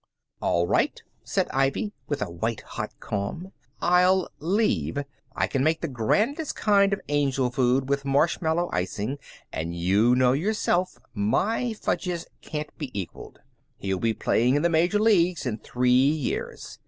"All right," said Ivy, with a white hot calm. "I'll leave. I can make the grandest kind of angel food with marshmallow icing, and you know yourself my fudges can't be equaled. He'll be playing in the major leagues in three years.